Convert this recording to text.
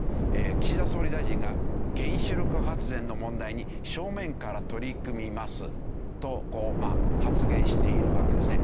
岸田総理大臣が「原子力発電の問題に正面から取り組みます」とこう発言しているわけですね。